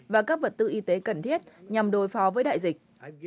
và các vật tư y tế cần thiết nhằm đối phó với đại dịch